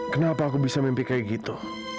kenapa aku bisa mimpi kayak gitu